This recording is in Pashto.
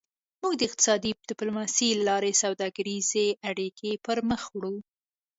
موږ د اقتصادي ډیپلوماسي له لارې سوداګریزې اړیکې پرمخ وړو